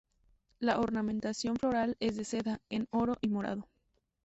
La ornamentación floral es de seda, en oro y morado.